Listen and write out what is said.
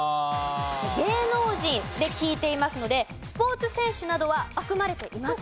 「芸能人」で聞いていますのでスポーツ選手などは含まれていません。